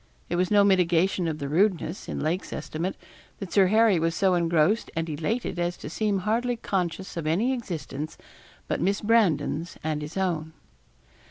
It was no mitigation of the rudeness, in Lake's estimate, that Sir Harry was so engrossed and elated as to seem hardly conscious of any existence but Miss Brandon's and his own.